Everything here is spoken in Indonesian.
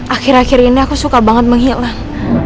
akhir akhir ini aku suka banget menghilang